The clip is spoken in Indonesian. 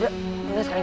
udah sekarang ibu pulang